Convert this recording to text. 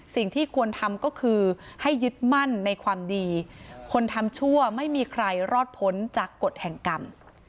สิ่งที่ควรทำก็คือให้ยึดมั่นในความดีคนทำชั่วไม่มีใครรอดพ้นจากกฎแห่งกรรม